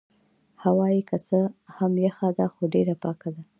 هوا يې که څه هم یخه ده خو ډېره پاکه ده.